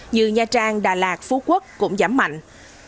như nha trang đà lạt phú quốc cũng giảm đến một năm triệu đồng